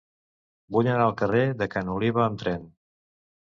Vull anar al carrer de Ca n'Oliva amb tren.